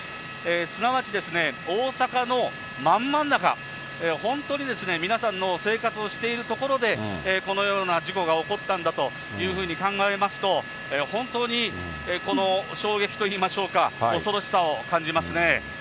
すなわちですね、大阪のまん真ん中、本当に皆さんの生活をしている所でこのような事故が起こったんだと考えますと、本当にこの衝撃といいましょうか、恐ろしさを感じますね。